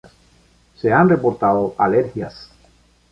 Se han reportado alergias.